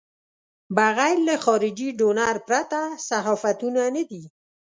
بغیر له خارجي ډونر پرته صحافتونه نه دي.